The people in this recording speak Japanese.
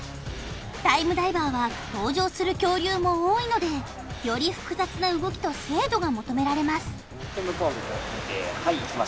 タイムダイバーは登場する恐竜も多いのでより複雑な動きと精度が求められます